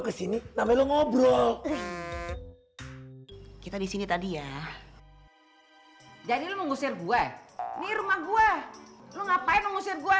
disini namanya ngobrol kita disini tadi ya jadi lu ngusir gue nih rumah gua lu ngapain ngusir gue